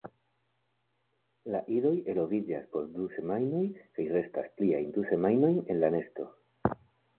La idoj eloviĝas post du semajnoj kaj restas pliajn du semajnojn en la nesto.